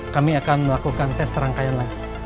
kami akan melakukan tes serangkaian lagi